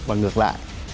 và ngược lại